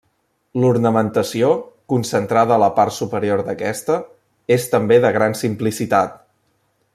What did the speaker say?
L'ornamentació, concentrada a la part superior d'aquesta, és també de gran simplicitat.